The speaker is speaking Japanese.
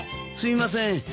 すいません。